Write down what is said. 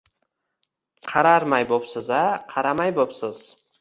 Qararmay bo’psiz-a, qaramay bo’psiz!